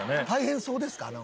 大変そうですか？